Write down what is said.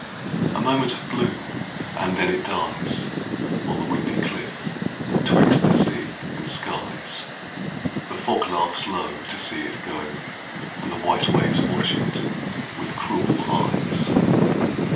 A moment of bloom, and then it dies On the windy cliff 'twixt the sea and skies. The fog laughs low to see it go, And the white waves watch it with cruel eyes.